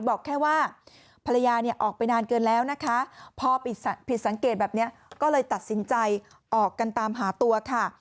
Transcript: บอกแค่ว่าภรรยาเนี่ยออกไปนานเกินแล้วนะคะพอผิดสังเกตแบบนี้ก็เลยตัดสินใจออกกันตามหาตัวค่ะ